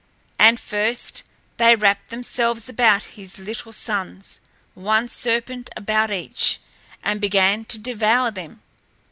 And first they wrapped themselves about his little sons, one serpent about each, and began to devour them.